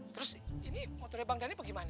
terus ini motornya bang dhani apa gimana